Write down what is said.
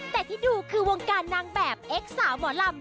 แต่ที่ดูคือวงการนางแบบเอ็กซสาวหมอลำ